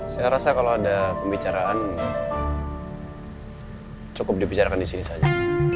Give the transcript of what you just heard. saya rasa kalau ada pembicaraan cukup dibicarakan di sini saja